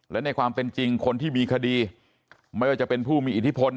และในความเป็นจริงคนที่มีคดีไม่ว่าจะเป็นผู้มีอิทธิพล